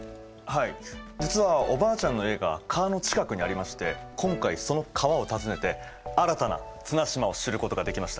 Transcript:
実はおばあちゃんの家が川の近くにありまして今回その川を訪ねて新たな綱島を知ることができました。